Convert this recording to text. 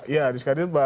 ya adis kadir